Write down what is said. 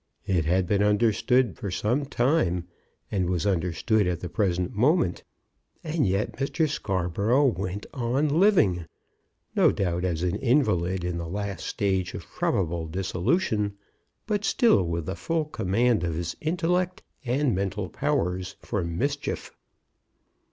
It had been understood some time, and was understood at the present moment; and yet Mr. Scarborough went on living, no doubt, as an invalid in the last stage of probable dissolution, but still with the full command of his intellect and mental powers for mischief.